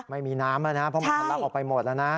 ไม่มีน้ำแล้วนะเพราะมันทะลักออกไปหมดแล้วนะ